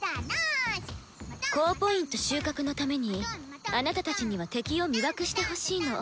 高Ｐ収穫のためにあなたたちには「敵を魅惑」してほしいの。